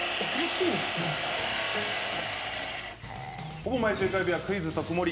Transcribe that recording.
ほぼ毎週火曜日は「クイズとくもり」。